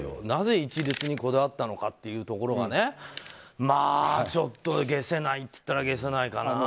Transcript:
なぜ一律にこだわったのかというところがねちょっと解せないといったら解せないかな。